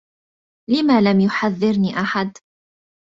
لم لم يحذّرني أحد؟